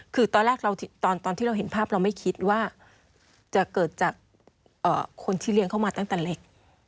คือตอนแรกตอนที่เราเห็นภาพเราไม่คิดว่าจะเกิดจากคนที่เลี้ยงเขามาตั้งแต่เล็ก